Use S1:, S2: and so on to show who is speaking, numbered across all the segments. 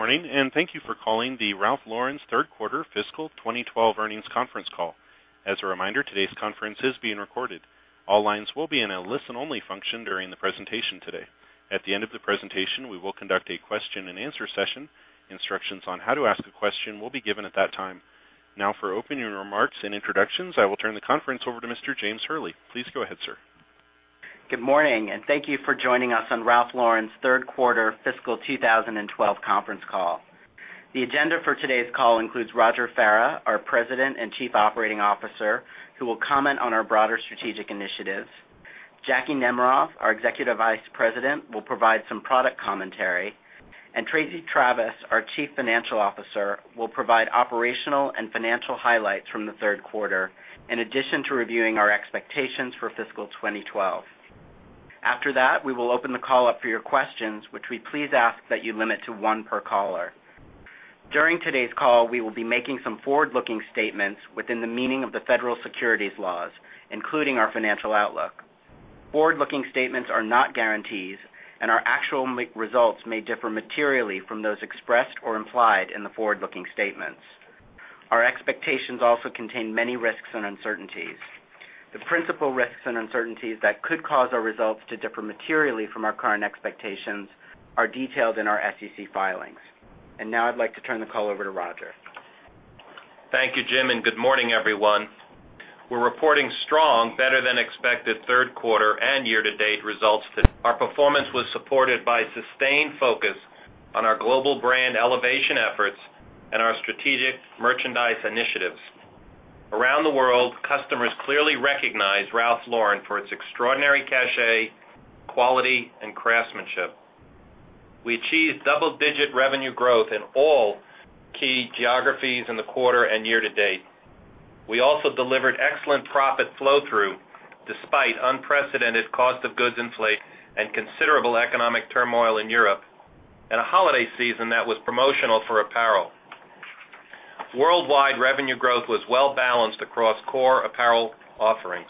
S1: Morning and thank you for calling the Ralph Lauren Corporation's Third Quarter Fiscal 2012 Earnings Conference Call. As a reminder, today's conference is being recorded. All lines will be in a listen-only function during the presentation today. At the end of the presentation, we will conduct a question and answer session. Instructions on how to ask a question will be given at that time. Now, for opening remarks and introductions, I will turn the conference over to Mr. James Hurley. Please go ahead, sir.
S2: Good morning and thank you for joining us on Ralph Lauren's Third Quarter Fiscal 2012 Conference Call. The agenda for today's call includes Roger Farah, our President and Chief Operating Officer, who will comment on our broader strategic initiatives. Jackwyn Nemerov, our Executive Vice President, will provide some product commentary, and Tracey Travis, our Chief Financial Officer, will provide operational and financial highlights from the third quarter, in addition to reviewing our expectations for fiscal 2012. After that, we will open the call up for your questions, which we please ask that you limit to one per caller. During today's call, we will be making some forward-looking statements within the meaning of the federal securities laws, including our financial outlook. Forward-looking statements are not guarantees, and our actual results may differ materially from those expressed or implied in the forward-looking statements. Our expectations also contain many risks and uncertainties. The principal risks and uncertainties that could cause our results to differ materially from our current expectations are detailed in our SEC filings. Now I'd like to turn the call over to Roger.
S3: Thank you, Jim, and good morning, everyone. We're reporting strong, better-than-expected third quarter and year-to-date results. Our performance was supported by sustained focus on our global brand elevation efforts and our strategic merchandise initiatives. Around the world, customers clearly recognize Ralph Lauren for its extraordinary cachet, quality, and craftsmanship. We achieved double-digit revenue growth in all key geographies in the quarter and year to date. We also delivered excellent profit flow-through despite unprecedented cost of goods inflation and considerable economic turmoil in Europe and a holiday season that was promotional for apparel. Worldwide revenue growth was well-balanced across core apparel offerings.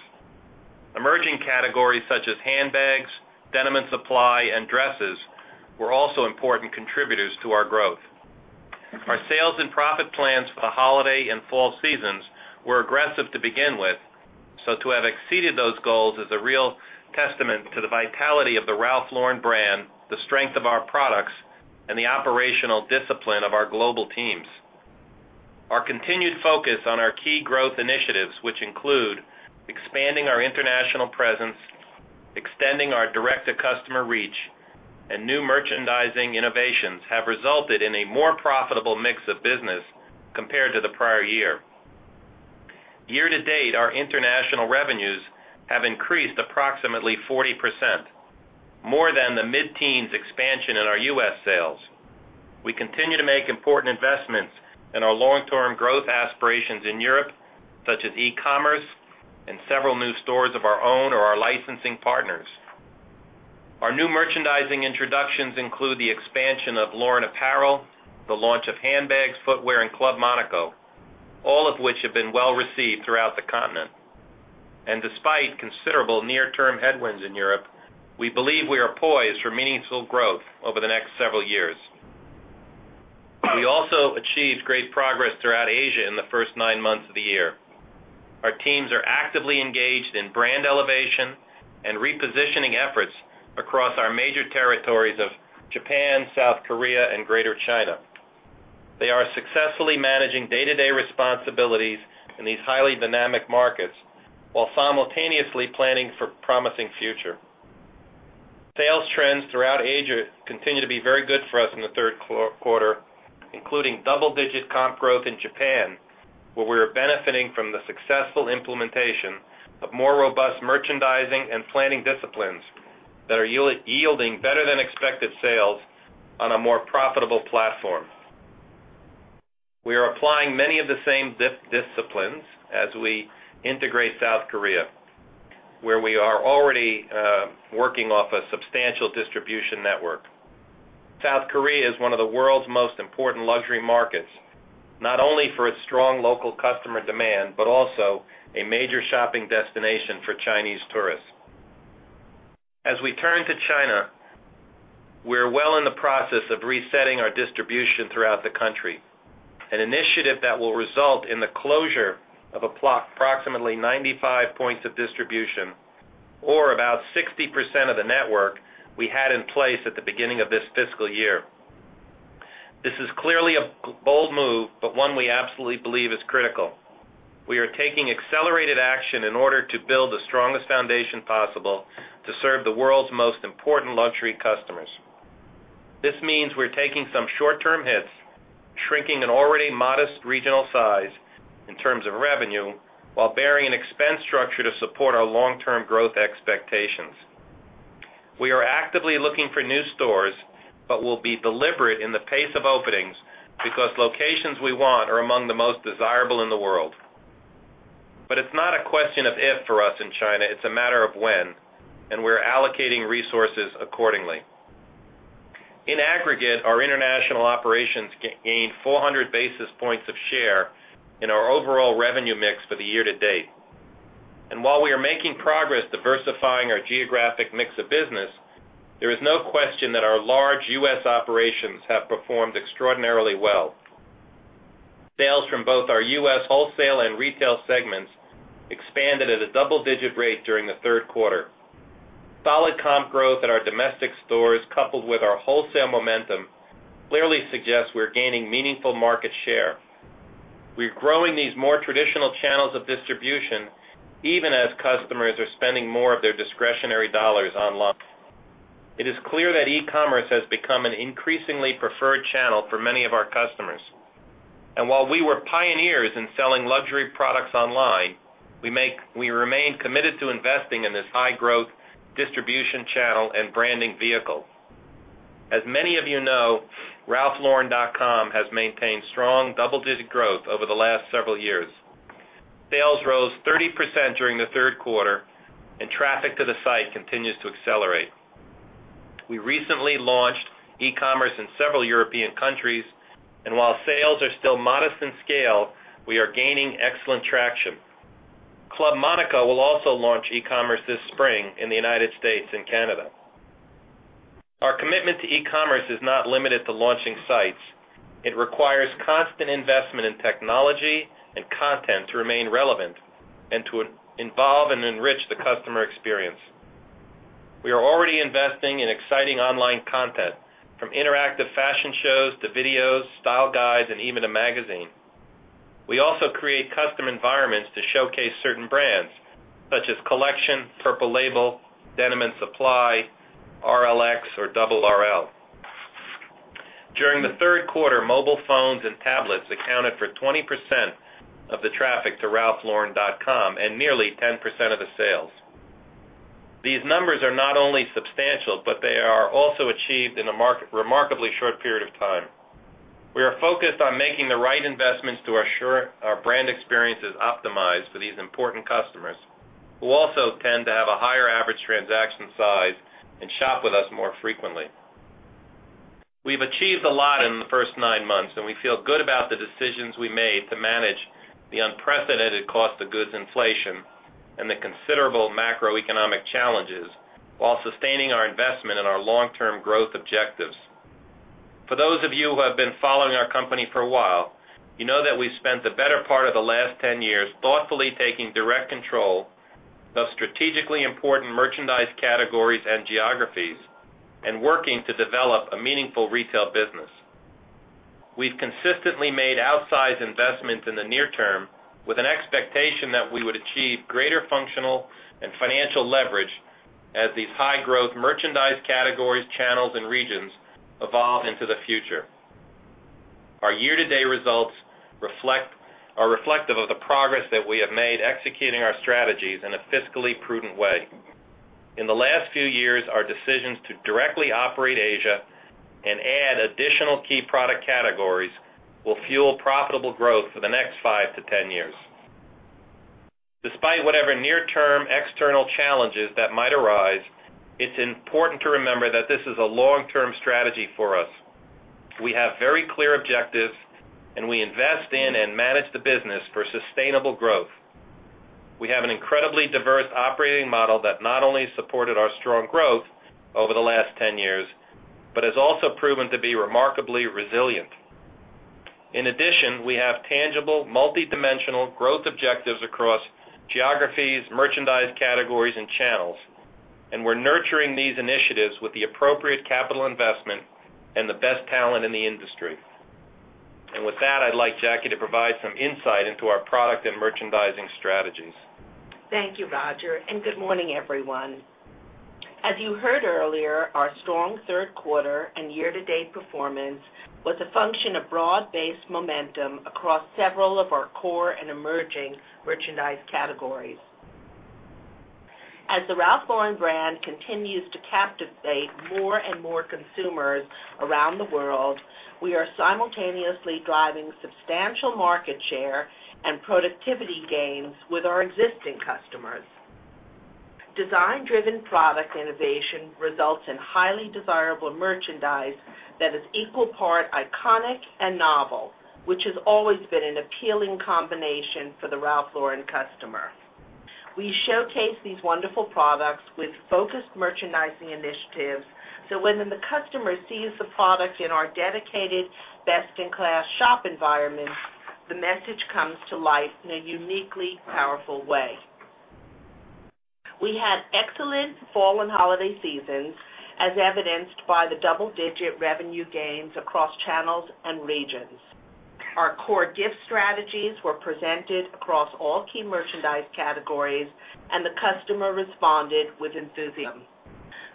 S3: Emerging categories such as handbags, Denim & Supply, and dresses were also important contributors to our growth. Our sales and profit plans for the holiday and fall seasons were aggressive to begin with, so to have exceeded those goals is a real testament to the vitality of the Ralph Lauren brand, the strength of our products, and the operational discipline of our global teams. Our continued focus on our key growth initiatives, which include expanding our international presence, extending our direct-to-consumer reach, and new merchandising innovations, have resulted in a more profitable mix of business compared to the prior year. Year to date, our international revenues have increased approximately 40%, more than the mid-teens expansion in our U.S. sales. We continue to make important investments in our long-term growth aspirations in Europe, such as e-commerce and several new stores of our own or our licensing partners. Our new merchandising introductions include the expansion of Lauren apparel, the launch of handbags, footwear, and Club Monaco, all of which have been well received throughout the continent. Despite considerable near-term headwinds in Europe, we believe we are poised for meaningful growth over the next several years. We also achieved great progress throughout Asia in the first nine months of the year. Our teams are actively engaged in brand elevation and repositioning efforts across our major territories of Japan, South Korea, and greater China. They are successfully managing day-to-day responsibilities in these highly dynamic markets while simultaneously planning for a promising future. Sales trends throughout Asia continue to be very good for us in the third quarter, including double-digit comp growth in Japan, where we are benefiting from the successful implementation of more robust merchandising and planning disciplines that are yielding better-than-expected sales on a more profitable platform. We are applying many of the same disciplines as we integrate South Korea, where we are already working off a substantial distribution network. South Korea is one of the world's most important luxury markets, not only for its strong local customer demand but also a major shopping destination for Chinese tourists. As we turn to China, we are well in the process of resetting our distribution throughout the country, an initiative that will result in the closure of approximately 95 points of distribution, or about 60% of the network we had in place at the beginning of this fiscal year. This is clearly a bold move, but one we absolutely believe is critical. We are taking accelerated action in order to build the strongest foundation possible to serve the world's most important luxury customers. This means we're taking some short-term hits, shrinking an already modest regional size in terms of revenue, while bearing an expense structure to support our long-term growth expectations. We are actively looking for new stores but will be deliberate in the pace of openings because locations we want are among the most desirable in the world. It is not a question of if for us in China, it's a matter of when, and we're allocating resources accordingly. In aggregate, our international operations gained 400 basis points of share in our overall revenue mix for the year to date. While we are making progress diversifying our geographic mix of business, there is no question that our large U.S. operations have performed extraordinarily well. Sales from both our U.S. wholesale and retail segments expanded at a double-digit rate during the third quarter. Solid comp growth in our domestic stores, coupled with our wholesale momentum, clearly suggests we're gaining meaningful market share. We are growing these more traditional channels of distribution, even as customers are spending more of their discretionary dollars online. It is clear that e-commerce has become an increasingly preferred channel for many of our customers. While we were pioneers in selling luxury products online, we remain committed to investing in this high-growth distribution channel and branding vehicle. As many of you know, RalphLauren.com has maintained strong double-digit growth over the last several years. Sales rose 30% during the third quarter, and traffic to the site continues to accelerate. We recently launched e-commerce in several European countries, and while sales are still modest in scale, we are gaining excellent traction. Club Monaco will also launch e-commerce this spring in the U.S. and Canada. Our commitment to e-commerce is not limited to launching sites. It requires constant investment in technology and content to remain relevant and to involve and enrich the customer experience. We are already investing in exciting online content, from interactive fashion shows to videos, style guides, and even a magazine. We also create custom environments to showcase certain brands, such as Collection, Purple Label, Denim & Supply, RLX, or RRL. During the third quarter, mobile phones and tablets accounted for 20% of the traffic to RalphLauren.com and nearly 10% of the sales. These numbers are not only substantial, but they are also achieved in a remarkably short period of time. We are focused on making the right investments to assure our brand experience is optimized for these important customers, who also tend to have a higher average transaction size and shop with us more frequently. We've achieved a lot in the first nine months, and we feel good about the decisions we made to manage the unprecedented cost of goods inflation and the considerable macroeconomic challenges while sustaining our investment in our long-term growth objectives. For those of you who have been following our company for a while, you know that we've spent the better part of the last 10 years thoughtfully taking direct control of strategically important merchandise categories and geographies and working to develop a meaningful retail business. We've consistently made outsized investments in the near term with an expectation that we would achieve greater functional and financial leverage as these high-growth merchandise categories, channels, and regions evolve into the future. Our year-to-date results are reflective of the progress that we have made executing our strategies in a fiscally prudent way. In the last few years, our decisions to directly operate Asia and add additional key product categories will fuel profitable growth for the next 5 years-10 years. Despite whatever near-term external challenges that might arise, it's important to remember that this is a long-term strategy for us. We have very clear objectives, and we invest in and manage the business for sustainable growth. We have an incredibly diverse operating model that not only supported our strong growth over the last 10 years, but has also proven to be remarkably resilient. In addition, we have tangible, multi-dimensional growth objectives across geographies, merchandise categories, and channels, and we're nurturing these initiatives with the appropriate capital investment and the best talent in the industry. I'd like Jacky to provide some insight into our product and merchandising strategies.
S4: Thank you, Roger, and good morning, everyone. As you heard earlier, our strong third quarter and year-to-date performance was a function of broad-based momentum across several of our core and emerging merchandise categories. As the Ralph Lauren brand continues to captivate more and more consumers around the world, we are simultaneously driving substantial market share and productivity gains with our existing customers. Design-driven product innovation results in highly desirable merchandise that is equal part iconic and novel, which has always been an appealing combination for the Ralph Lauren customer. We showcase these wonderful products with focused merchandising initiatives, so when the customer sees the product in our dedicated, best-in-class shop environment, the message comes to life in a uniquely powerful way. We have excellent fall and holiday seasons, as evidenced by the double-digit revenue gains across channels and regions. Our core gift strategies were presented across all key merchandise categories, and the customer responded with enthusiasm.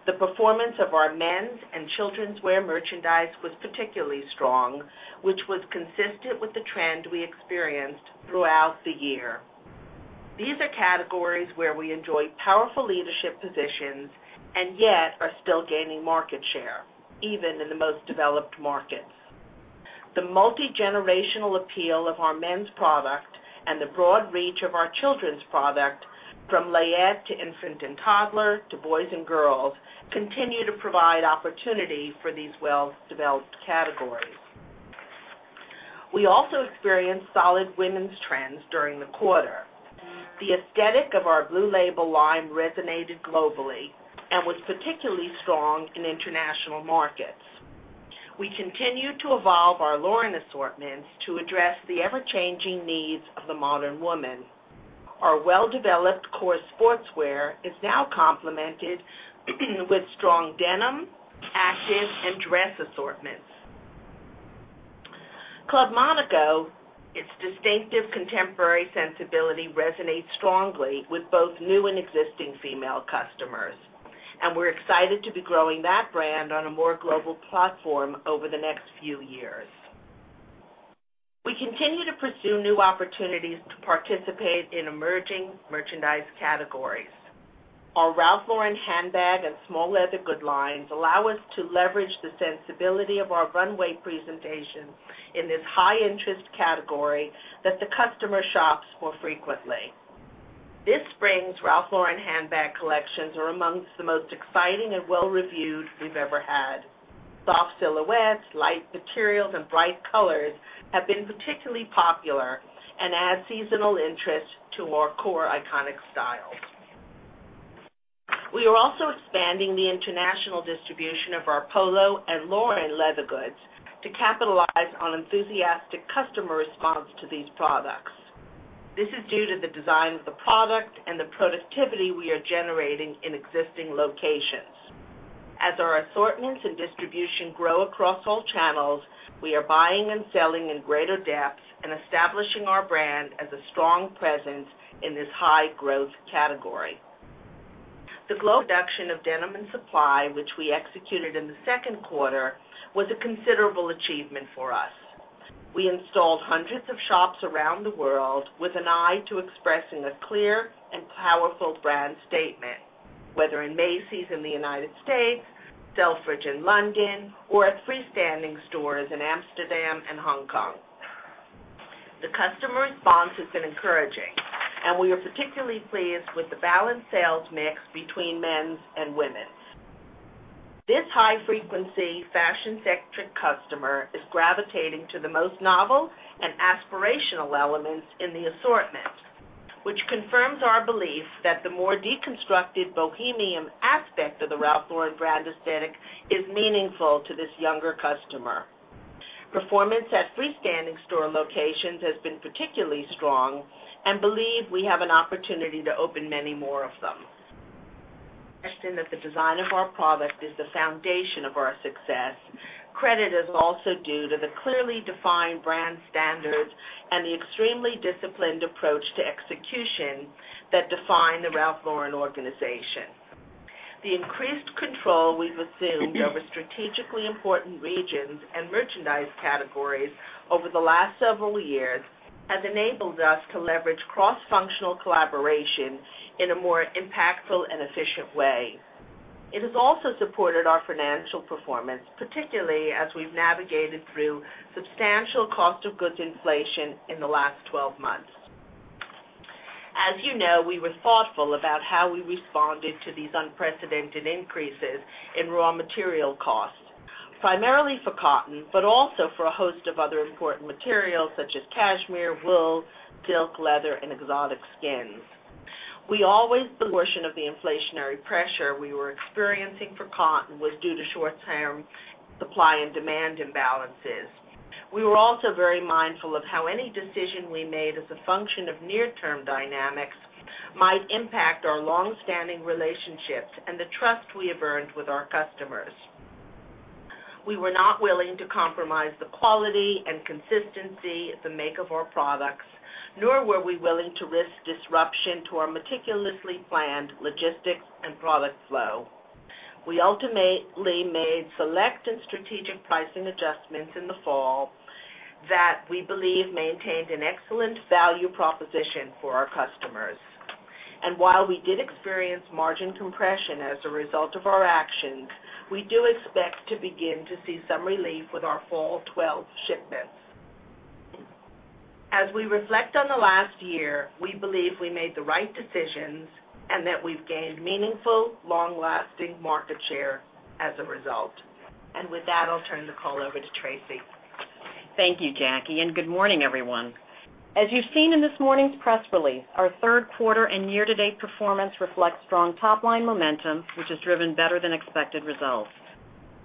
S4: The performance of our men's and children's wear merchandise was particularly strong, which was consistent with the trend we experienced throughout the year. These are categories where we enjoy powerful leadership positions and yet are still gaining market share, even in the most developed markets. The multigenerational appeal of our men's product and the broad reach of our children's product, from layette to infant and toddler to boys and girls, continue to provide opportunity for these well-developed categories. We also experienced solid women's trends during the quarter. The aesthetic of our Blue Label line resonated globally and was particularly strong in international markets. We continue to evolve our Lauren assortments to address the ever-changing needs of the modern woman. Our well-developed core sportswear is now complemented with strong denim, ashes, and dress assortments. Club Monaco, its distinctive contemporary sensibility resonates strongly with both new and existing female customers, and we're excited to be growing that brand on a more global platform over the next few years. We continue to pursue new opportunities to participate in emerging merchandise categories. Our Ralph Lauren handbag and small leather good lines allow us to leverage the sensibility of our runway presentation in this high-interest category that the customer shops more frequently. This spring, Ralph Lauren handbag collections are amongst the most exciting and well-reviewed we've ever had. Soft silhouettes, light materials, and bright colors have been particularly popular and add seasonal interest to more core iconic styles. We are also expanding the international distribution of our Polo and Lauren leather goods to capitalize on enthusiastic customer response to these products. This is due to the design of the product and the productivity we are generating in existing locations. As our assortments and distribution grow across all channels, we are buying and selling in greater depth and establishing our brand as a strong presence in this high-growth category. The global production of Denim & Supply, which we executed in the second quarter, was a considerable achievement for us. We installed hundreds of shops around the world with an eye to expressing a clear and powerful brand statement, whether in Macy's in the U.S., Selfridges in London, or a freestanding store in Amsterdam and Hong Kong. The customer response has been encouraging, and we are particularly pleased with the balanced sales mix between men's and women's. This high-frequency fashion-centric customer is gravitating to the most novel and aspirational elements in the assortment, which confirms our belief that the more deconstructed bohemian aspect of the Ralph Lauren brand aesthetic is meaningful to this younger customer. Performance at freestanding store locations has been particularly strong, and believe we have an opportunity to open many more of them. The design of our product is the foundation of our success. Credit is also due to the clearly defined brand standards and the extremely disciplined approach to execution that define the Ralph Lauren organization. The increased control we've assumed over strategically important regions and merchandise categories over the last several years has enabled us to leverage cross-functional collaboration in a more impactful and efficient way. It has also supported our financial performance, particularly as we've navigated through substantial cost of goods inflation in the last 12 months. As you know, we were thoughtful about how we responded to these unprecedented increases in raw material costs, primarily for cotton, but also for a host of other important materials such as cashmere, wool, silk, leather, and exotic skins. We always thought the worst portion of the inflationary pressure we were experiencing for cotton was due to short-term supply and demand imbalances. We were also very mindful of how any decision we made as a function of near-term dynamics might impact our long-standing relationships and the trust we have earned with our customers. We were not willing to compromise the quality and consistency of the make of our products, nor were we willing to risk disruption to our meticulously planned logistics and product flow. We ultimately made select and strategic pricing adjustments in the fall that we believe maintained an excellent value proposition for our customers. While we did experience margin compression as a result of our actions, we do expect to begin to see some relief with our fall 2024 shipments. As we reflect on the last year, we believe we made the right decisions and that we've gained meaningful, long-lasting market share as a result. With that, I'll turn the call over to Tracey.
S5: Thank you, Jacky, and good morning, everyone. As you've seen in this morning's press release, our third quarter and year-to-date performance reflect strong top-line momentum, which has driven better-than-expected results.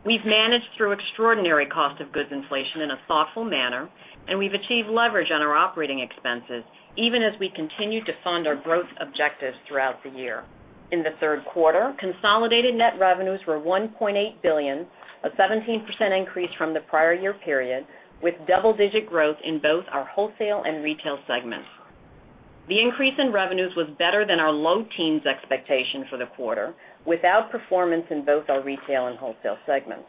S5: We've managed through extraordinary cost of goods inflation in a thoughtful manner, and we've achieved leverage on our operating expenses, even as we continue to fund our growth objectives throughout the year. In the third quarter, consolidated net revenues were $1.8 billion, a 17% increase from the prior year period, with double-digit growth in both our wholesale and retail segments. The increase in revenues was better than our low teens expectation for the quarter, with outperformance in both our retail and wholesale segments.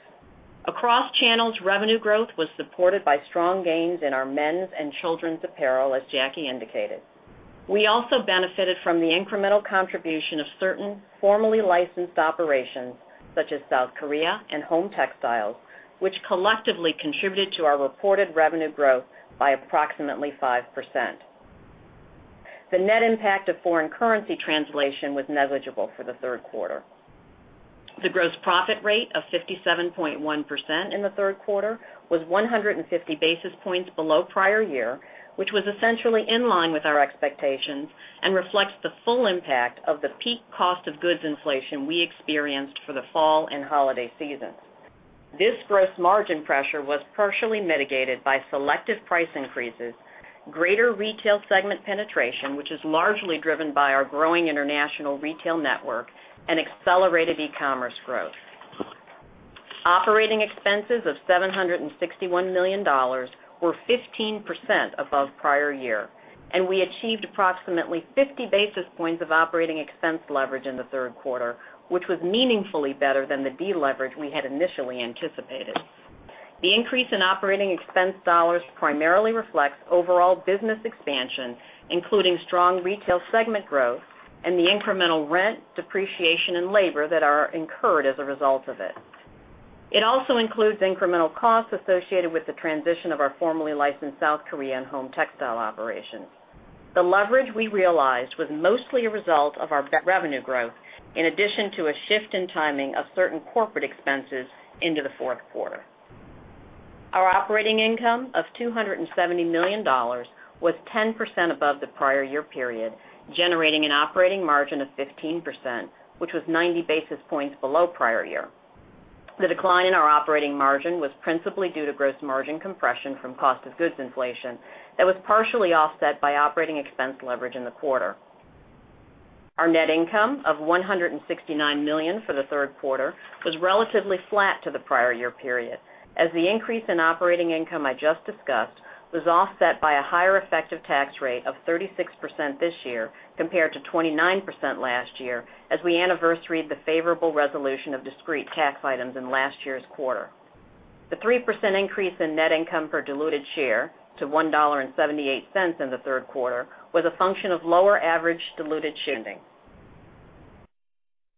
S5: Across channels, revenue growth was supported by strong gains in our men's and children's apparel, as Jacky indicated. We also benefited from the incremental contribution of certain formerly licensed operations, such as South Korea and Home Textiles, which collectively contributed to our reported revenue growth by approximately 5%. The net impact of foreign currency translation was negligible for the third quarter. The gross profit rate of 57.1% in the third quarter was 150 basis points below prior year, which was essentially in line with our expectations and reflects the full impact of the peak cost of goods inflation we experienced for the fall and holiday seasons. This gross margin pressure was partially mitigated by selective price increases, greater retail segment penetration, which is largely driven by our growing international retail network, and accelerated e-commerce growth. Operating expenses of $761 million were 15% above prior year, and we achieved approximately 50 basis points of operating expense leverage in the third quarter, which was meaningfully better than the deleverage we had initially anticipated. The increase in operating expense dollars primarily reflects overall business expansion, including strong retail segment growth and the incremental rent, depreciation, and labor that are incurred as a result of it. It also includes incremental costs associated with the transition of our formerly licensed South Korean Home Textiles operations. The leverage we realized was mostly a result of our revenue growth, in addition to a shift in timing of certain corporate expenses into the fourth quarter. Our operating income of $270 million was 10% above the prior year period, generating an operating margin of 15%, which was 90 basis points below prior year. The decline in our operating margin was principally due to gross margin compression from cost of goods inflation that was partially offset by operating expense leverage in the quarter. Our net income of $169 million for the third quarter was relatively flat to the prior year period, as the increase in operating income I just discussed was offset by a higher effective tax rate of 36% this year compared to 29% last year, as we anniversary the favorable resolution of discrete tax items in last year's quarter. The 3% increase in net income per diluted share to $1.78 in the third quarter was a function of lower average diluted share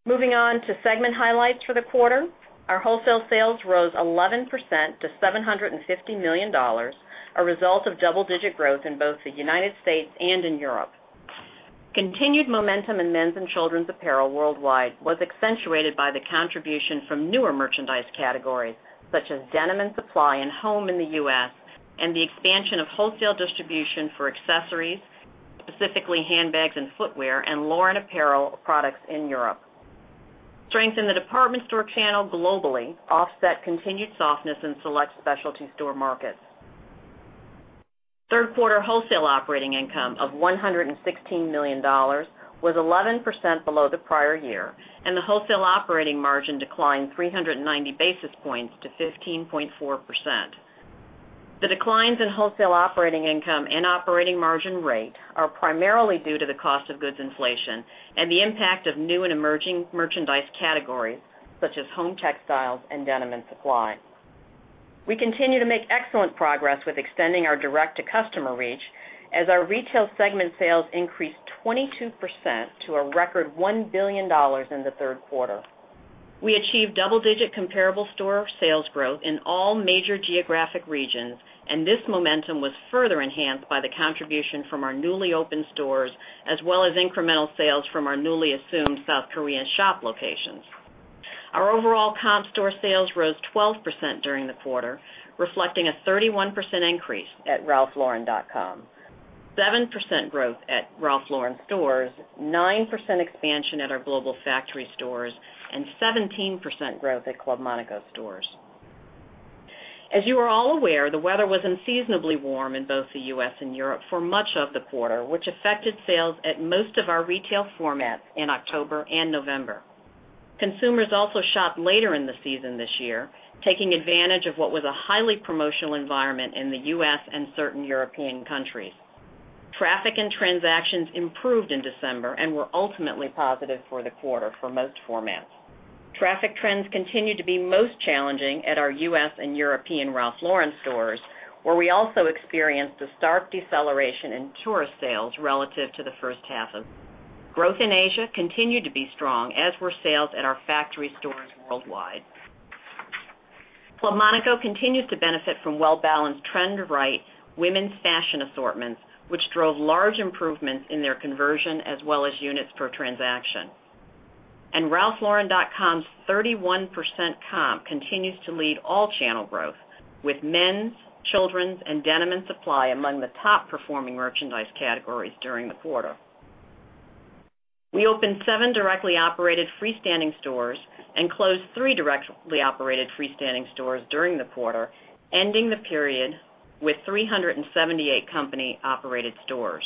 S5: count. Moving on to segment highlights for the quarter, our wholesale sales rose 11% to $750 million, a result of double-digit growth in both the U.S. and in Europe. Continued momentum in men's and children's apparel worldwide was accentuated by the contribution from newer merchandise categories, such as Denim & Supply and home in the U.S., and the expansion of wholesale distribution for accessories, specifically handbags and footwear, and Lauren apparel products in Europe. Strength in the department store channel globally offset continued softness in select specialty store markets. Third quarter wholesale operating income of $116 million was 11% below the prior year, and the wholesale operating margin declined 390 basis points to 15.4%. The declines in wholesale operating income and operating margin rate are primarily due to the cost of goods inflation and the impact of new and emerging merchandise categories, such as home textiles and Denim & Supply. We continue to make excellent progress with extending our direct-to-consumer reach, as our retail segment sales increased 22% to a record $1 billion in the third quarter. We achieved double-digit comparable store sales growth in all major geographic regions, and this momentum was further enhanced by the contribution from our newly opened stores, as well as incremental sales from our newly assumed South Korean shop locations. Our overall comp store sales rose 12% during the quarter, reflecting a 31% increase at RalphLauren.com, 7% growth at Ralph Lauren stores, 9% expansion at our global factory stores, and 17% growth at Club Monaco stores. As you are all aware, the weather was unseasonably warm in both the U.S. and Europe for much of the quarter, which affected sales at most of our retail formats in October and November. Consumers also shopped later in the season this year, taking advantage of what was a highly promotional environment in the U.S. and certain European countries. Traffic and transactions improved in December and were ultimately positive for the quarter for most formats. Traffic trends continued to be most challenging at our U.S. and European Ralph Lauren stores, where we also experienced a stark deceleration in tourist sales relative to the first half of the quarter. Growth in Asia continued to be strong, as were sales at our factory stores worldwide. Club Monaco continues to benefit from well-balanced trend-right women's fashion assortments, which drove large improvements in their conversion as well as units per transaction. RalphLauren.com's 31% comp continues to lead all channel growth, with men's, children's, and Denim & Supply among the top performing merchandise categories during the quarter. We opened seven directly operated freestanding stores and closed three directly operated freestanding stores during the quarter, ending the period with 378 company-operated stores.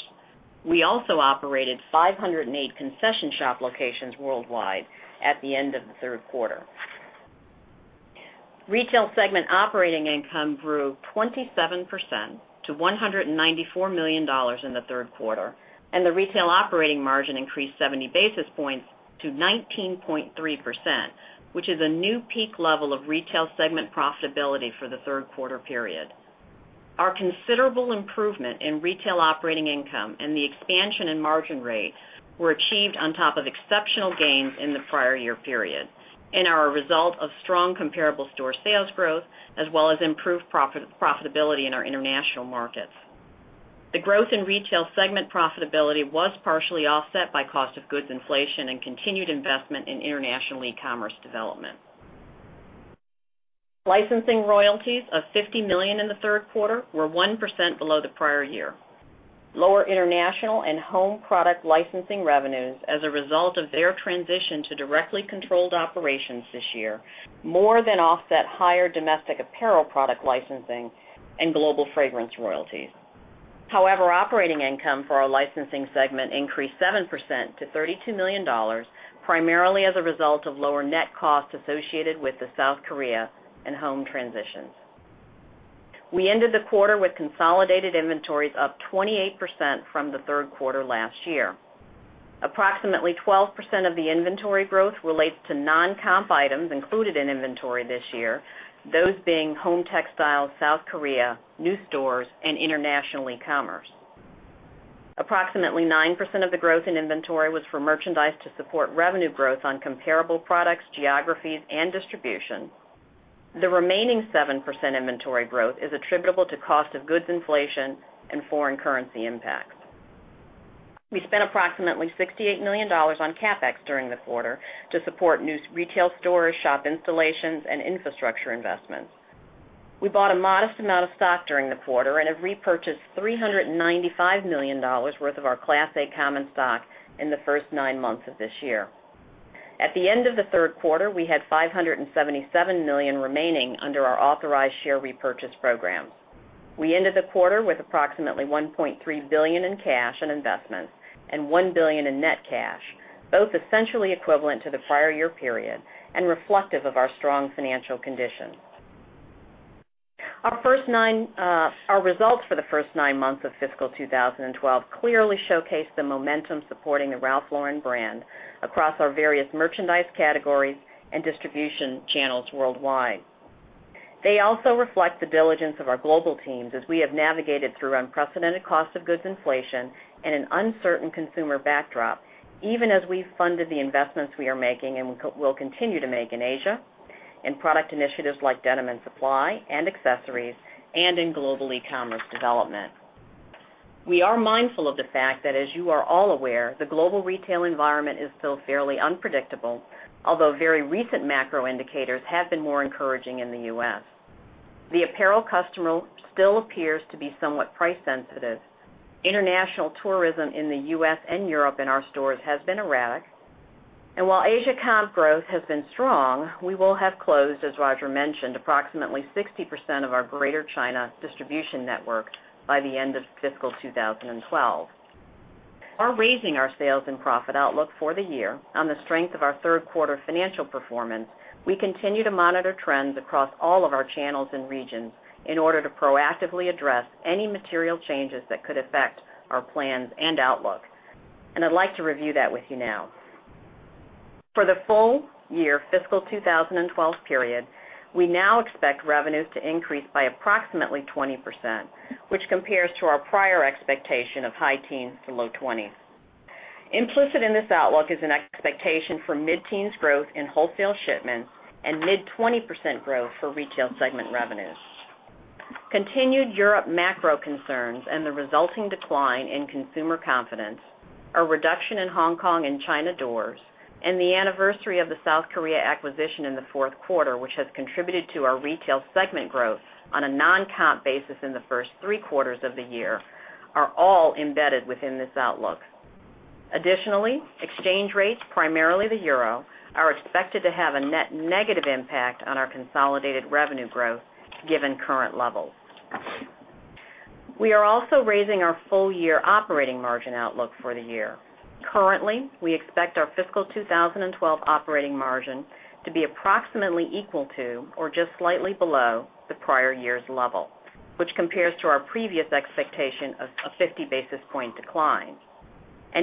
S5: We also operated 508 concession shop locations worldwide at the end of the third quarter. Retail segment operating income grew 27% to $194 million in the third quarter, and the retail operating margin increased 70 basis points to 19.3%, which is a new peak level of retail segment profitability for the third quarter period. Our considerable improvement in retail operating income and the expansion in margin rate were achieved on top of exceptional gains in the prior year period and are a result of strong comparable store sales growth, as well as improved profitability in our international markets. The growth in retail segment profitability was partially offset by cost of goods inflation and continued investment in international e-commerce development. Licensing royalties of $50 million in the third quarter were 1% below the prior year. Lower international and home product licensing revenues as a result of their transition to directly controlled operations this year more than offset higher domestic apparel product licensing and global fragrance royalties. However, operating income for our licensing segment increased 7% to $32 million, primarily as a result of lower net costs associated with the South Korea and home transitions. We ended the quarter with consolidated inventories up 28% from the third quarter last year. Approximately 12% of the inventory growth relates to non-comp items included in inventory this year, those being home textiles, South Korea, new stores, and international e-commerce. Approximately 9% of the growth in inventory was for merchandise to support revenue growth on comparable products, geographies, and distribution. The remaining 7% inventory growth is attributable to cost of goods inflation and foreign currency impacts. We spent approximately $68 million on CapEx during the quarter to support new retail stores, shop installations, and infrastructure investments. We bought a modest amount of stock during the quarter and have repurchased $395 million worth of our Class A common stock in the first nine months of this year. At the end of the third quarter, we had $577 million remaining under our authorized share repurchase program. We ended the quarter with approximately $1.3 billion in cash and investments and $1 billion in net cash, both essentially equivalent to the prior year period and reflective of our strong financial condition. Our results for the first nine months of fiscal 2012 clearly showcase the momentum supporting the Ralph Lauren brand across our various merchandise categories and distribution channels worldwide. They also reflect the diligence of our global teams as we have navigated through unprecedented cost of goods inflation and an uncertain consumer backdrop, even as we funded the investments we are making and will continue to make in Asia, in product initiatives like Denim & Supply and accessories, and in global e-commerce development. We are mindful of the fact that, as you are all aware, the global retail environment is still fairly unpredictable, although very recent macro indicators have been more encouraging in the U.S. The apparel customer still appears to be somewhat price sensitive. International tourism in the U.S. and Europe in our stores has been erratic, and while Asia comp growth has been strong, we will have closed, as Roger mentioned, approximately 60% of our greater China distribution network by the end of fiscal 2012. Our raising our sales and profit outlook for the year on the strength of our third quarter financial performance, we continue to monitor trends across all of our channels and regions in order to proactively address any material changes that could affect our plans and outlook. I'd like to review that with you now. For the full year, fiscal 2012 period, we now expect revenues to increase by approximately 20%, which compares to our prior expectation of high teens to low twenties. Implicit in this outlook is an expectation for mid-teens growth in wholesale shipments and mid-20% growth for retail segment revenues. Continued Europe macro concerns and the resulting decline in consumer confidence, a reduction in Hong Kong and China doors, and the anniversary of the South Korea acquisition in the fourth quarter, which has contributed to our retail segment growth on a non-comp basis in the first 3/4 of the year, are all embedded within this outlook. Additionally, exchange rates, primarily the EUR, are expected to have a net negative impact on our consolidated revenue growth given current levels. We are also raising our full year operating margin outlook for the year. Currently, we expect our fiscal 2012 operating margin to be approximately equal to or just slightly below the prior year's level, which compares to our previous expectation of a 50 basis point decline.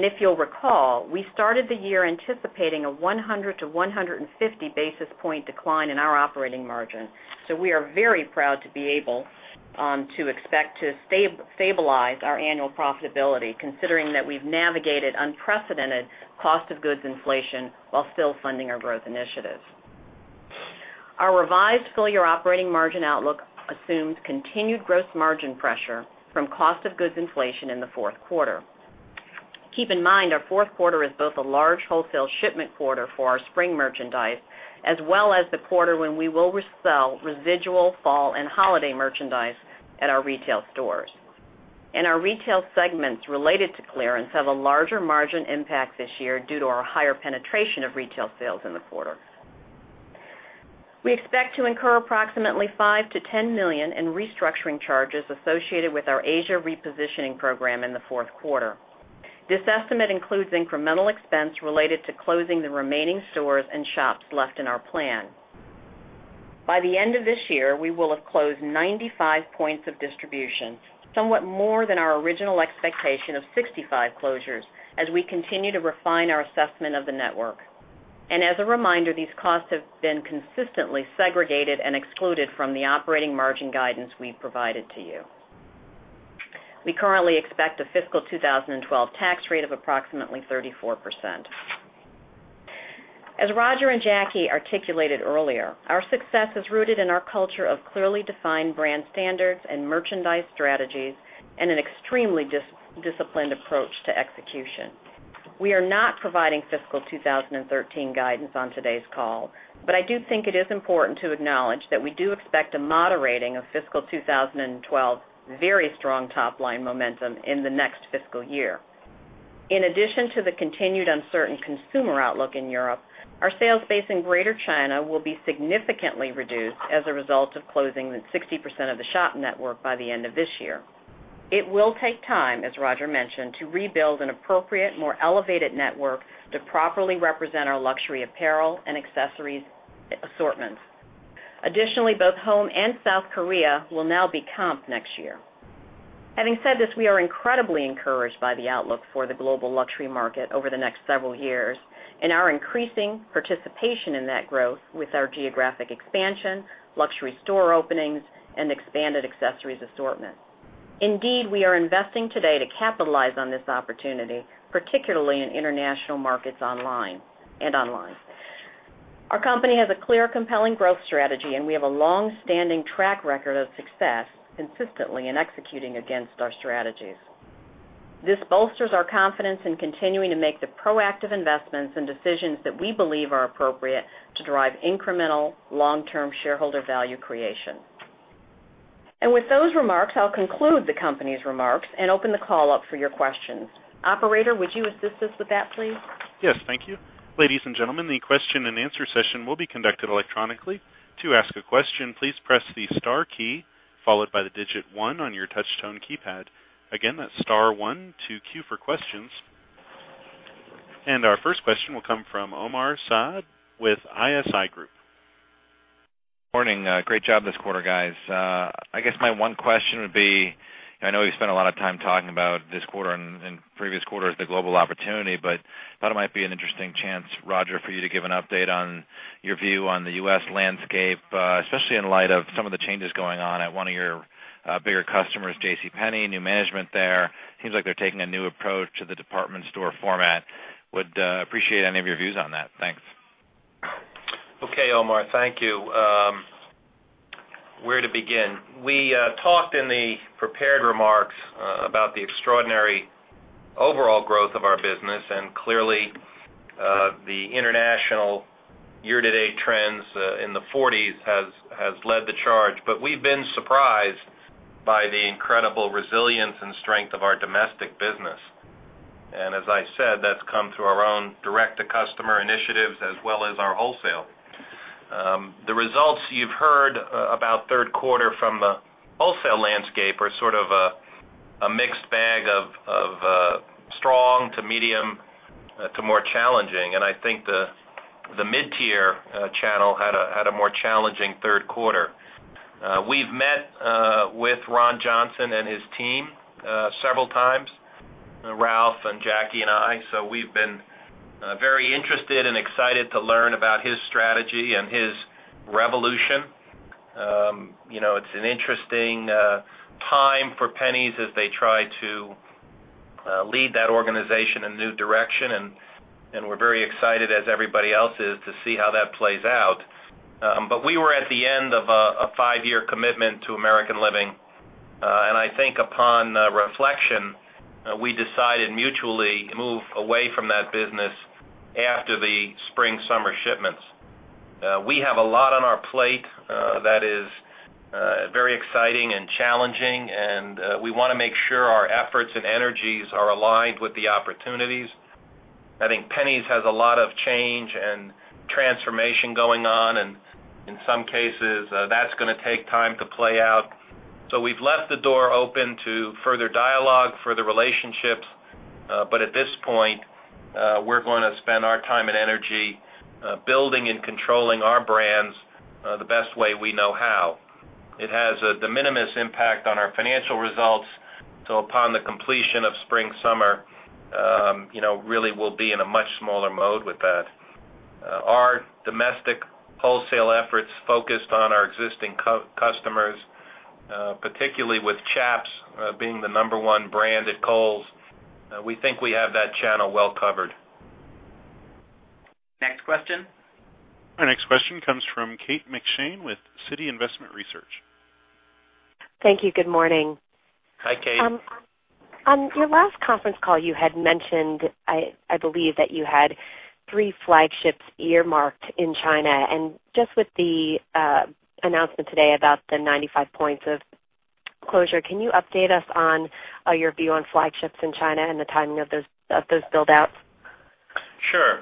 S5: If you'll recall, we started the year anticipating a 100 basis point-150 basis point decline in our operating margin, so we are very proud to be able to expect to stabilize our annual profitability, considering that we've navigated unprecedented cost of goods inflation while still funding our growth initiatives. Our revised full year operating margin outlook assumes continued gross margin pressure from cost of goods inflation in the fourth quarter. Keep in mind, our fourth quarter is both a large wholesale shipment quarter for our spring merchandise, as well as the quarter when we will resell residual fall and holiday merchandise at our retail stores. Our retail segments related to clearance have a larger margin impact this year due to our higher penetration of retail sales in the quarter. We expect to incur approximately $5 million-$10 million in restructuring charges associated with our Asia repositioning program in the fourth quarter. This estimate includes incremental expense related to closing the remaining stores and shops left in our plan. By the end of this year, we will have closed 95 points of distribution, somewhat more than our original expectation of 65 closures as we continue to refine our assessment of the network. As a reminder, these costs have been consistently segregated and excluded from the operating margin guidance we've provided to you. We currently expect a fiscal 2012 tax rate of approximately 34%. As Roger and Jackwyn articulated earlier, our success is rooted in our culture of clearly defined brand standards and merchandise strategies and an extremely disciplined approach to execution. We are not providing Fiscal 2013 Guidance on today's call, but I do think it is important to acknowledge that we do expect a moderating of fiscal 2012's very strong top-line momentum in the next fiscal year. In addition to the continued uncertain consumer outlook in Europe, our sales base in greater China will be significantly reduced as a result of closing 60% of the shop network by the end of this year. It will take time, as Roger mentioned, to rebuild an appropriate, more elevated network to properly represent our luxury apparel and accessories assortments. Additionally, both home and South Korea will now be comped next year. Having said this, we are incredibly encouraged by the outlook for the global luxury market over the next several years and our increasing participation in that growth with our geographic expansion, luxury store openings, and expanded accessories assortments. Indeed, we are investing today to capitalize on this opportunity, particularly in international markets online and online. Our company has a clear, compelling growth strategy, and we have a longstanding track record of success consistently in executing against our strategies. This bolsters our confidence in continuing to make the proactive investments and decisions that we believe are appropriate to drive incremental long-term shareholder value creation. With those remarks, I'll conclude the company's remarks and open the call up for your questions. Operator, would you assist us with that, please?
S1: Yes, thank you. Ladies and gentlemen, the question and answer session will be conducted electronically. To ask a question, please press the star key followed by the digit one on your touch-tone keypad. Again, that's star one to queue for questions. Our first question will come from Omar Saad with ISI Group.
S6: Morning. Great job this quarter, guys. I guess my one question would be, I know you spent a lot of time talking about this quarter and previous quarters, the global opportunity, but I thought it might be an interesting chance, Roger, for you to give an update on your view on the U.S. landscape, especially in light of some of the changes going on at one of your bigger customers, JCPenney, new management there. It seems like they're taking a new approach to the department store format. Would appreciate any of your views on that. Thanks.
S3: Okay, Omar, thank you. Where to begin? We talked in the prepared remarks about the extraordinary overall growth of our business, and clearly the international year-to-date trends in the 40s has led the charge, but we've been surprised by the incredible resilience and strength of our domestic business. As I said, that's come through our own direct-to-consumer initiatives as well as our wholesale. The results you've heard about third quarter from the wholesale landscape are sort of a mixed bag of strong to medium to more challenging, and I think the mid-tier channel had a more challenging third quarter. We've met with Ron Johnson and his team several times, Ralph and Jacky and I, so we've been very interested and excited to learn about his strategy and his revolution. It's an interesting time for JCPenney's as they try to lead that organization in a new direction, and we're very excited, as everybody else is, to see how that plays out. We were at the end of a five-year commitment to American Living, and I think upon reflection, we decided mutually to move away from that business after the spring/summer shipments. We have a lot on our plate that is very exciting and challenging, and we want to make sure our efforts and energies are aligned with the opportunities. I think JCPenney's has a lot of change and transformation going on, and in some cases, that's going to take time to play out. We've left the door open to further dialogue, further relationships, but at this point, we're going to spend our time and energy building and controlling our brands the best way we know how. It has a de minimis impact on our financial results, so upon the completion of spring/summer, really we'll be in a much smaller mode with that. Our domestic wholesale efforts focused on our existing customers, particularly with Chaps being the number one brand at Kohl's, we think we have that channel well covered.
S2: Next question.
S1: Our next question comes from Kate McShane with Citi Investment Research.
S7: Thank you. Good morning.
S3: Hi, Kate.
S7: On your last conference call, you had mentioned, I believe, that you had three flagships earmarked in China, and just with the announcement today about the 95 points of closure, can you update us on your view on flagships in China and the timing of those buildouts?
S3: Sure.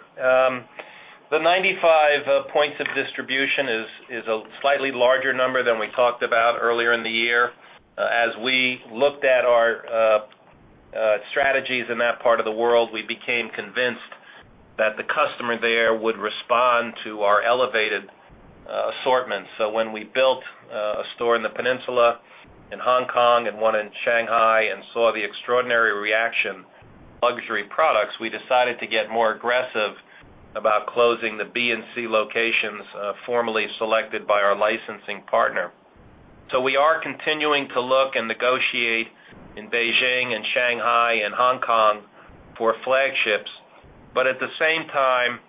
S3: The 95 points of distribution is a slightly larger number than we talked about earlier in the year. As we looked at our strategies in that part of the world, we became convinced that the customer there would respond to our elevated assortments. When we built a store in The Peninsula in Hong Kong and one in Shanghai and saw the extraordinary reaction to luxury products, we decided to get more aggressive about closing the B and C locations formally selected by our licensing partner. We are continuing to look and negotiate in Beijing and Shanghai and Hong Kong for flagships. At the same time,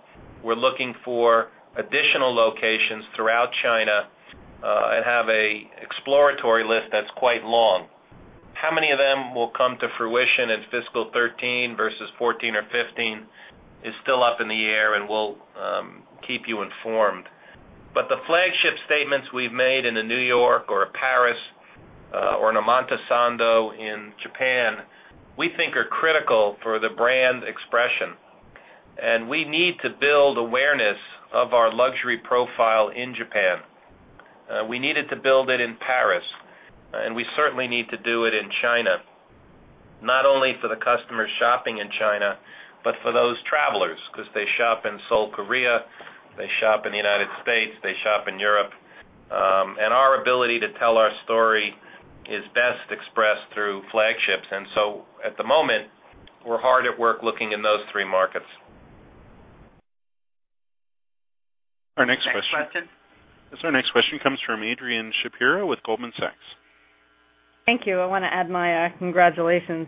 S3: we're looking for additional locations throughout China and have an exploratory list that's quite long. How many of them will come to fruition in fiscal 2013 versus 2014 or 2015 is still up in the air, and we'll keep you informed. The flagship statements we've made in New York or Paris or in Omotesandō in Japan, we think are critical for the brand expression, and we need to build awareness of our luxury profile in Japan. We needed to build it in Paris, and we certainly need to do it in China, not only for the customers shopping in China, but for those travelers because they shop in Seoul, South Korea, they shop in the U.S., they shop in Europe, and our ability to tell our story is best expressed through flagships. At the moment, we're hard at work looking in those three markets.
S1: Our next question.
S2: Next question.
S1: Yes, our next question comes from Adrianne Shapira with Goldman Sachs.
S8: Thank you. I want to add my congratulations.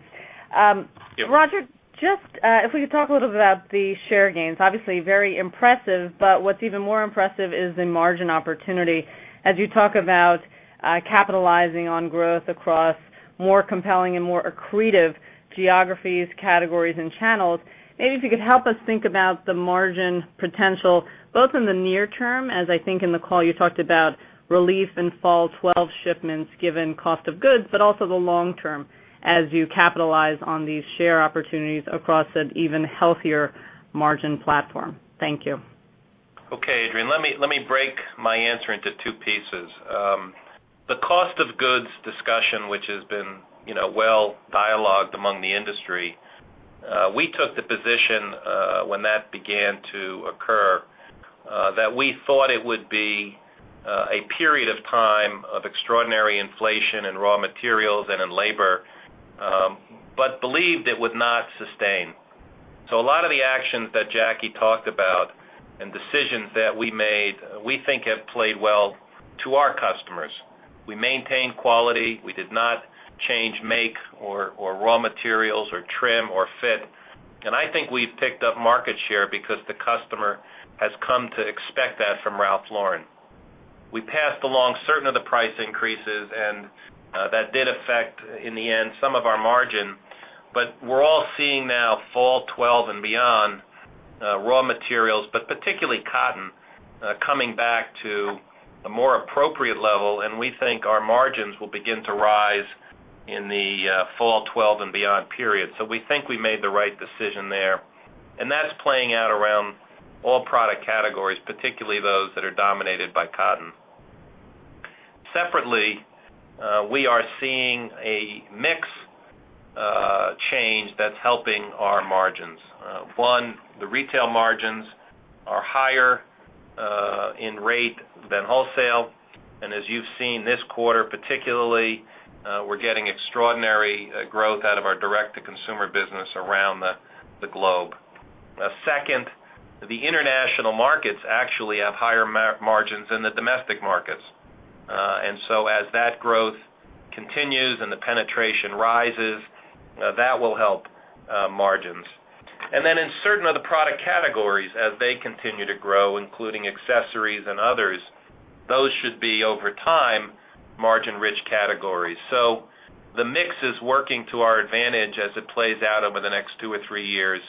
S8: Roger, just if we could talk a little bit about the share gains, obviously very impressive, but what's even more impressive is the margin opportunity as you talk about capitalizing on growth across more compelling and more accretive geographies, categories, and channels. Maybe if you could help us think about the margin potential both in the near term, as I think in the call you talked about relief in Fall 2012 shipments given cost of goods, but also the long term as you capitalize on these share opportunities across an even healthier margin platform. Thank you.
S3: Okay, Adrian, let me break my answer into two pieces. The cost of goods discussion, which has been well-dialogued among the industry, we took the position when that began to occur that we thought it would be a period of time of extraordinary inflation in raw materials and in labor, but believed it would not sustain. A lot of the actions that Jacky talked about and decisions that we made, we think have played well to our customers. We maintained quality. We did not change make or raw materials or trim or fit, and I think we've picked up market share because the customer has come to expect that from Ralph Lauren. We passed along certain of the price increases, and that did affect, in the end, some of our margin, but we're all seeing now Fall 2012 and beyond raw materials, but particularly cotton, coming back to a more appropriate level, and we think our margins will begin to rise in the Fall 2012 and beyond period. We think we made the right decision there, and that's playing out around all product categories, particularly those that are dominated by cotton. Separately, we are seeing a mix change that's helping our margins. One, the retail margins are higher in rate than wholesale, and as you've seen this quarter particularly, we're getting extraordinary growth out of our direct-to-consumer business around the globe. Second, the international markets actually have higher margins than the domestic markets, and as that growth continues and the penetration rises, that will help margins. In certain other product categories, as they continue to grow, including accessories and others, those should be, over time, margin-rich categories. The mix is working to our advantage as it plays out over the next two or three years,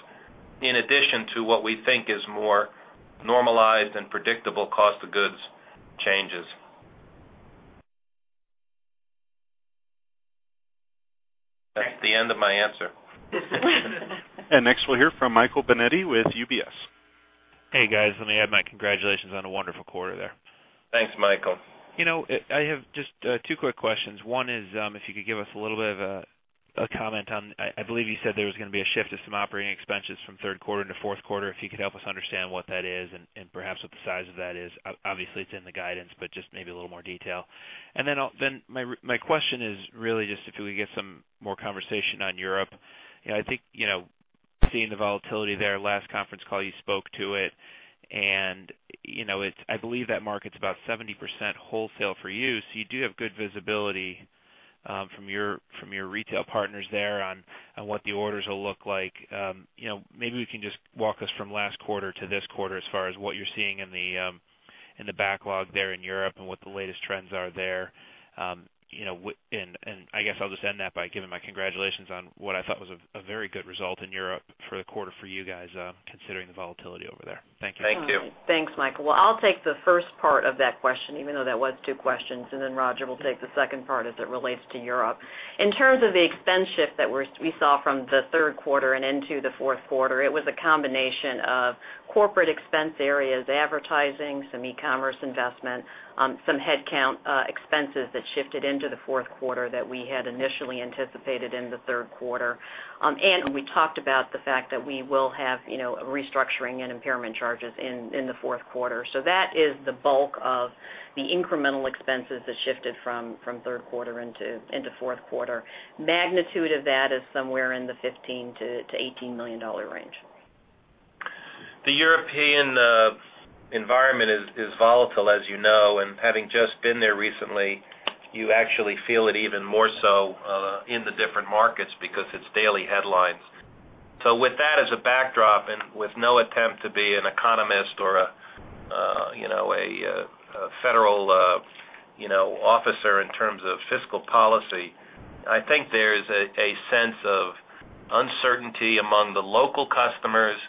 S3: in addition to what we think is more normalized and predictable cost of goods changes. That's the end of my answer.
S1: Next, we'll hear from Michael Binetti with UBS.
S9: Hey, guys, let me add my congratulations on a wonderful quarter there.
S3: Thanks, Michael.
S9: I have just two quick questions. One is if you could give us a little bit of a comment on, I believe you said there was going to be a shift of some operating expenses from third quarter to fourth quarter. If you could help us understand what that is and perhaps what the size of that is. Obviously, it's in the guidance, but just maybe a little more detail. My question is really just if we could get some more conversation on Europe. I think seeing the volatility there, last conference call you spoke to it, and I believe that market's about 70% wholesale for you, so you do have good visibility from your retail partners there on what the orders will look like. Maybe we can just walk us from last quarter to this quarter as far as what you're seeing in the backlog there in Europe and what the latest trends are there. I guess I'll just end that by giving my congratulations on what I thought was a very good result in Europe for the quarter for you guys, considering the volatility over there. Thank you.
S3: Thank you.
S5: Thanks, Michael. I'll take the first part of that question, even though that was two questions, and then Roger will take the second part as it relates to Europe. In terms of the expense shift that we saw from the third quarter and into the fourth quarter, it was a combination of corporate expense areas, advertising, some e-commerce investment, some headcount expenses that shifted into the fourth quarter that we had initially anticipated in the third quarter. We talked about the fact that we will have restructuring and impairment charges in the fourth quarter. That is the bulk of the incremental expenses that shifted from third quarter into fourth quarter. Magnitude of that is somewhere in the $15 million-$18 million range.
S3: The European environment is volatile, as you know, and having just been there recently, you actually feel it even more so in the different markets because it's daily headlines. With that as a backdrop and with no attempt to be an economist or a, you know, a federal, you know, officer in terms of fiscal policy, I think there is a sense of uncertainty among the local customers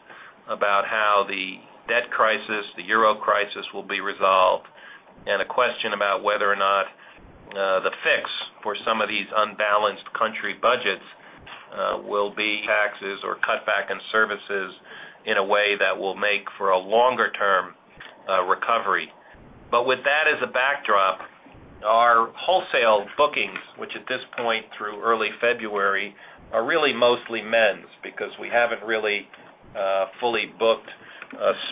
S3: about how the debt crisis, the EUR crisis will be resolved, and a question about whether or not the fix for some of these unbalanced country budgets will be taxes or cut back in services in a way that will make for a longer-term recovery. With that as a backdrop, our wholesale bookings, which at this point through early February are really mostly men's because we haven't really fully booked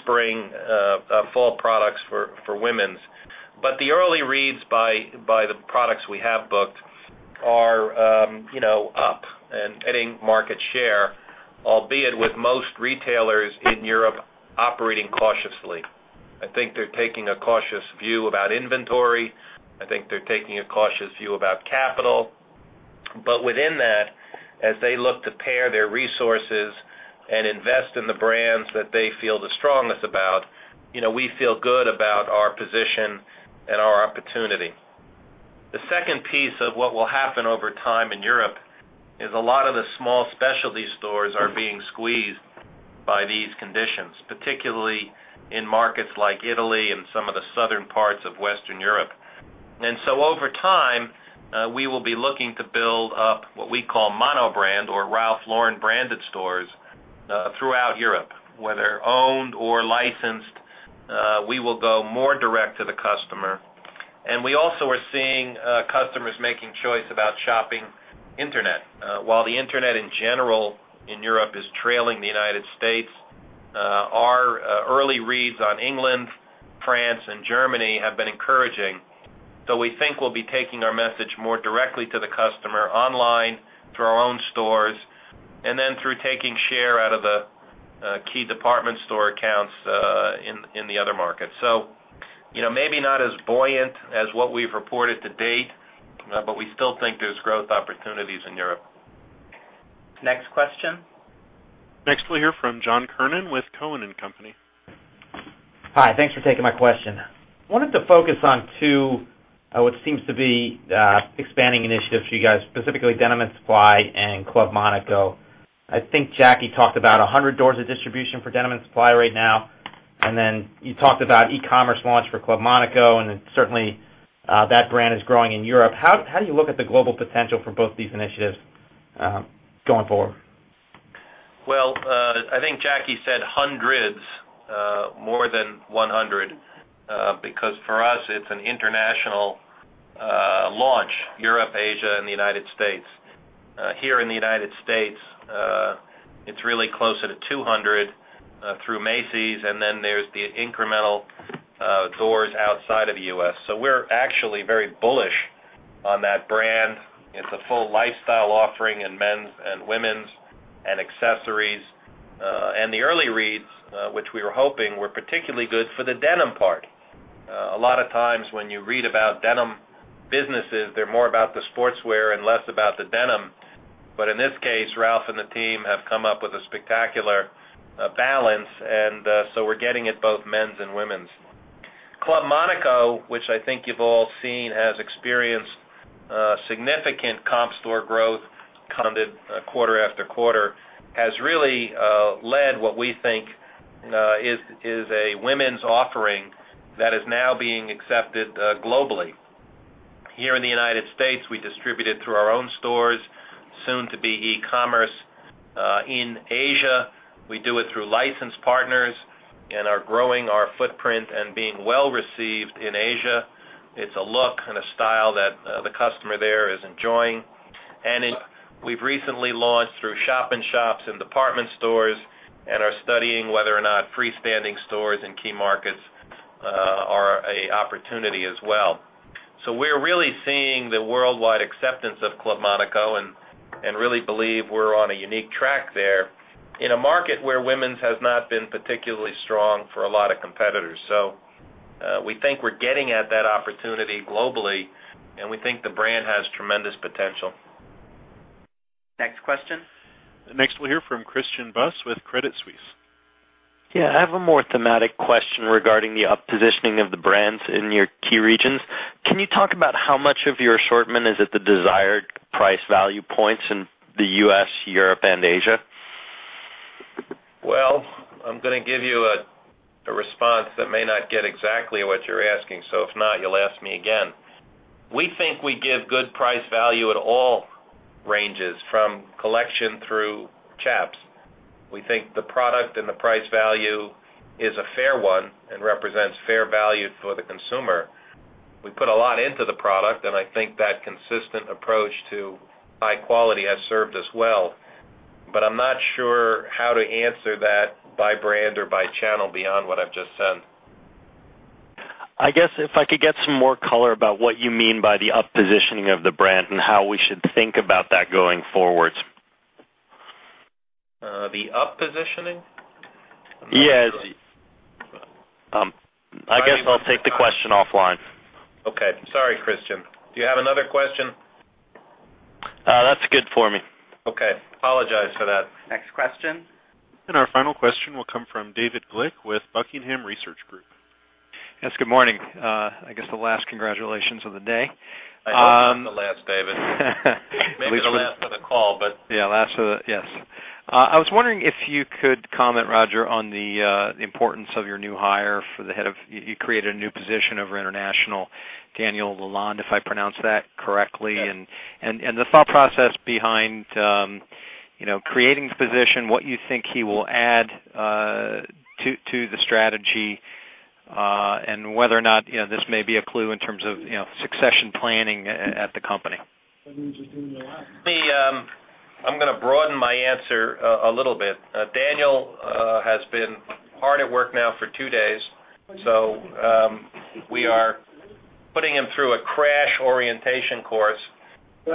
S3: spring/fall products for women's, but the early reads by the products we have booked are, you know, up and adding market share, albeit with most retailers in Europe operating cautiously. I think they're taking a cautious view about inventory. I think they're taking a cautious view about capital, but within that, as they look to pair their resources and invest in the brands that they feel the strongest about, you know, we feel good about our position and our opportunity. The second piece of what will happen over time in Europe is a lot of the small specialty stores are being squeezed by these conditions, particularly in markets like Italy and some of the southern parts of Western Europe. Over time, we will be looking to build up what we call monobrand or Ralph Lauren branded stores throughout Europe, whether owned or licensed. We will go more direct to the customer, and we also are seeing customers making choice about shopping internet. While the internet in general in Europe is trailing the U.S., our early reads on England, France, and Germany have been encouraging. We think we'll be taking our message more directly to the customer online through our own stores and then through taking share out of the key department store accounts in the other markets. Maybe not as buoyant as what we've reported to date, but we still think there's growth opportunities in Europe.
S2: Next question.
S1: Next, we'll hear from John Kernan with Cowen and Company.
S10: Hi, thanks for taking my question. I wanted to focus on two, what seems to be expanding initiatives for you guys, specifically Denim & Supply and Club Monaco. I think Jackwyn talked about 100 doors of distribution for Denim & Supply right now, and then you talked about e-commerce launch for Club Monaco, and certainly that brand is growing in Europe. How do you look at the global potential for both these initiatives going forward?
S3: I think Jacky said 100s, more than 100, because for us, it's an international launch, Europe, Asia, and the U.S. Here in the U.S., it's really closer to 200 through Macy's, and then there's the incremental doors outside of the U.S. We're actually very bullish on that brand. It's a full lifestyle offering in men's and women's and accessories, and the early reads, which we were hoping were particularly good for the denim part. A lot of times when you read about denim businesses, they're more about the sportswear and less about the denim, but in this case, Ralph and the team have come up with a spectacular balance, and we're getting it both men's and women's. Club Monaco, which I think you've all seen has experienced significant comp store growth, compounded quarter after quarter, has really led what we think is a women's offering that is now being accepted globally. Here in the U.S., we distribute it through our own stores, soon to be e-commerce in Asia. We do it through licensed partners and are growing our footprint and being well received in Asia. It's a look and a style that the customer there is enjoying. We've recently launched through shop and shops and department stores and are studying whether or not freestanding stores in key markets are an opportunity as well. We're really seeing the worldwide acceptance of Club Monaco and really believe we're on a unique track there in a market where women's has not been particularly strong for a lot of competitors. We think we're getting at that opportunity globally, and we think the brand has tremendous potential.
S2: Next question.
S1: Next, we'll hear from Christian Buss with Crédit Suisse.
S11: Yeah, I have a more thematic question regarding the up-positioning of the brands in your key regions. Can you talk about how much of your assortment is at the desired price value points in the U.S., Europe, and Asia?
S3: I am going to give you a response that may not get exactly what you're asking, so if not, you'll ask me again. We think we give good price value at all ranges from Collection through Chaps. We think the product and the price value is a fair one and represents fair value for the consumer. We put a lot into the product, and I think that consistent approach to high quality has served us well. I'm not sure how to answer that by brand or by channel beyond what I've just said.
S11: I guess if I could get some more color about what you mean by the up-positioning of the brand and how we should think about that going forward.
S3: The up-positioning?
S11: Yes.
S3: The.
S11: I guess I'll take the question offline.
S3: Okay. Sorry, Christian. Do you have another question?
S11: That's good for me.
S3: Okay, apologize for that.
S4: Next question.
S1: Our final question will come from David Glick with Buckingham Research Group.
S12: Yes, good morning. I guess the last congratulations of the day.
S3: I hope it's the last, David. Maybe the last of the call.
S12: I was wondering if you could comment, Roger, on the importance of your new hire for the Head of, you created a new position over International, Daniel Lalonde, if I pronounced that correctly, and the thought process behind creating the position, what you think he will add to the strategy, and whether or not this may be a clue in terms of succession planning at the company.
S3: Let me, I'm going to broaden my answer a little bit. Daniel has been hard at work now for two days, so we are putting him through a crash orientation course, but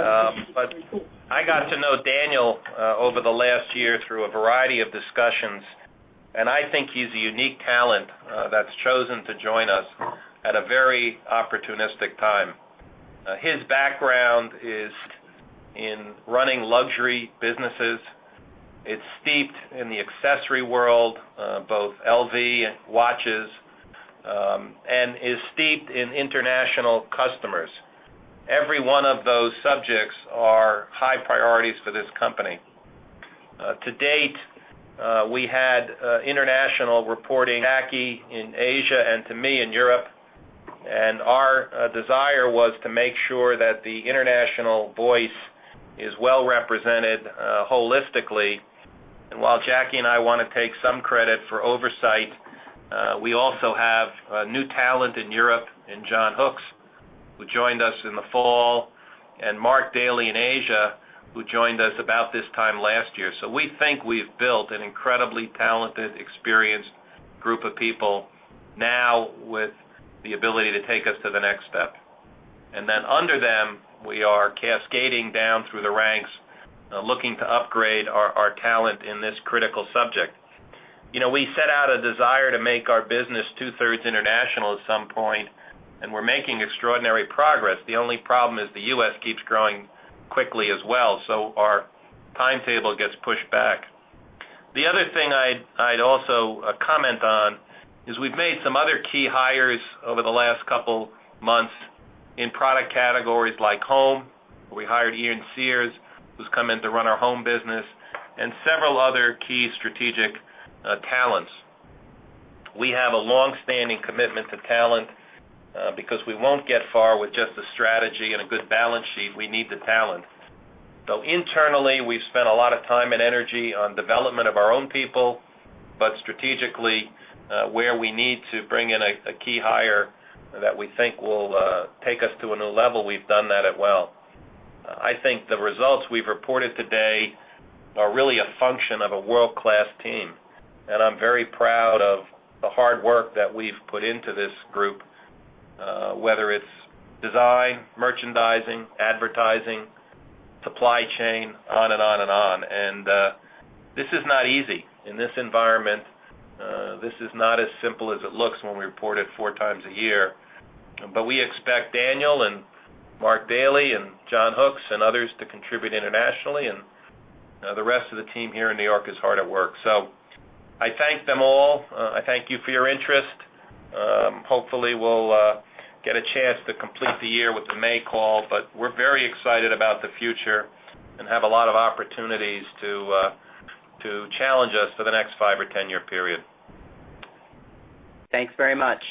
S3: I got to know Daniel over the last year through a variety of discussions, and I think he's a unique talent that's chosen to join us at a very opportunistic time. His background is in running luxury businesses. It's steeped in the accessory world, both LV and watches, and is steeped in international customers. Every one of those subjects are high priorities for this company. To date, we had international reporting, Jackwyn in Asia and to me in Europe, and our desire was to make sure that the international voice is well represented holistically. While Jackwyn and I want to take some credit for oversight, we also have new talent in Europe in John Hooks, who joined us in the fall, and Mark Daly in Asia, who joined us about this time last year. We think we've built an incredibly talented, experienced group of people now with the ability to take us to the next step. Under them, we are cascading down through the ranks looking to upgrade our talent in this critical subject. We set out a desire to make our business two-thirds international at some point, and we're making extraordinary progress. The only problem is the U.S. keeps growing quickly as well, so our timetable gets pushed back. The other thing I'd also comment on is we've made some other key hires over the last couple of months in product categories like home. We hired Ian Sears, who's come in to run our home business, and several other key strategic talents. We have a longstanding commitment to talent because we won't get far with just the strategy and a good balance sheet. We need the talent. Internally, we've spent a lot of time and energy on development of our own people, but strategically, where we need to bring in a key hire that we think will take us to a new level, we've done that as well. I think the results we've reported today are really a function of a world-class team, and I'm very proud of the hard work that we've put into this group, whether it's design, merchandising, advertising, supply chain, on and on and on. This is not easy in this environment. This is not as simple as it looks when we report it four times a year, but we expect Daniel and Mark Daly and John Hooks and others to contribute internationally, and the rest of the team here in New York is hard at work. I thank them all. I thank you for your interest. Hopefully, we'll get a chance to complete the year with the May call, but we're very excited about the future and have a lot of opportunities to challenge us for the next five or ten-year period.
S2: Thanks very much.